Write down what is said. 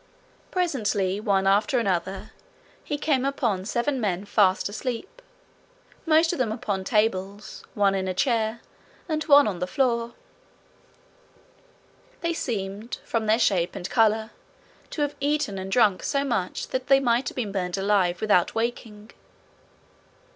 Presently, one after another, he came upon seven men fast asleep, most of them upon tables, one in a chair, and one on the floor. They seemed, from their shape and colour, to have eaten and drunk so much that they might be burned alive without wakening.